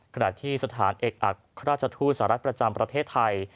ขณะที่สถานเอกอัครราชทูตสหรัฐประจำประเทศไทย